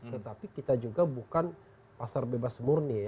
tetapi kita juga bukan pasar bebas murni